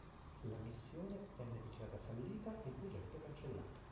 La missione venne dichiarata fallita e il progetto cancellato.